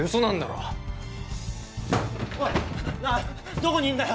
どこにいんだよ！？